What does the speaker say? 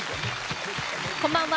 こんばんは。